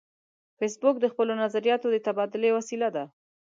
فېسبوک د خپلو نظریاتو د تبادلې وسیله ده